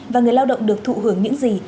và người lao động được thụ hưởng những gì